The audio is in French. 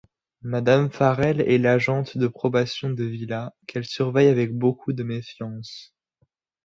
Madame Farrel est l'agente de probation de Willa, qu'elle surveille avec beaucoup de méfiance.